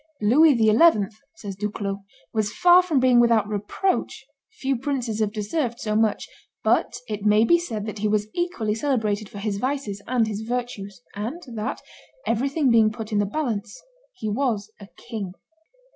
"Louis XI.," says Duclos, "was far from being without reproach; few princes have deserved so much; but it may be said that he was equally celebrated for his vices and his virtues, and that, everything being put in the balance, he was a king."